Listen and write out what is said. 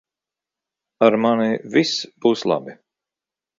Ar mani viss būs labi.